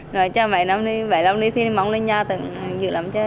rồi cho bảy năm đi bảy năm đi thì mong lên nhà tưởng nhiều lắm chứ